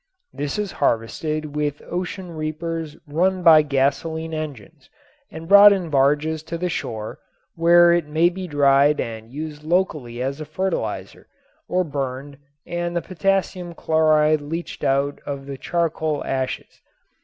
This is harvested with ocean reapers run by gasoline engines and brought in barges to the shore, where it may be dried and used locally as a fertilizer or burned and the potassium chloride leached out of the charcoal ashes.